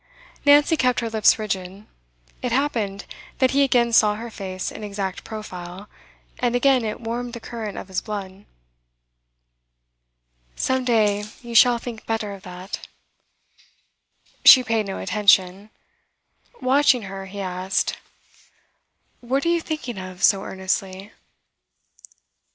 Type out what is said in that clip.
Nancy kept her lips rigid. It happened that he again saw her face in exact profile, and again it warmed the current of his blood. 'Some day you shall think better of that.' She paid no attention. Watching her, he asked: 'What are you thinking of so earnestly?